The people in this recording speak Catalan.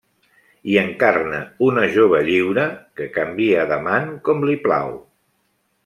Hi encarna una jove lliure, que canvia d'amant com li plau.